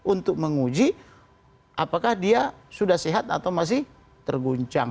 untuk menguji apakah dia sudah sehat atau masih terguncang